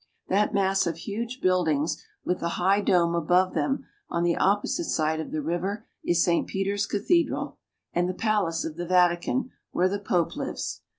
That mass of huge buildings, with the high dome above them, on the opposite side of the river, is Saint Peter's cathedral, and the palace of the Vatican, where the Pope lives.